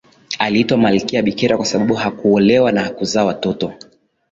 aliitwa malkia bikira kwa sababu hakuolewa na hakuzaa watoto